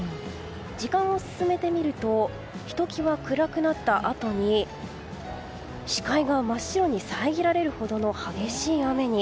時間を進めてみるとひときわ暗くなったあとに視界が真っ白に遮られるほどの激しい雨に。